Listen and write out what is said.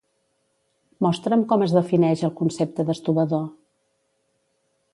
Mostra'm com es defineix el concepte d'estovador.